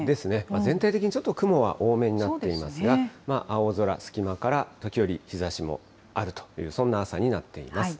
全体的にちょっと雲は多めになっていますが、青空、隙間から時折、日ざしもあるという、そんな朝になっています。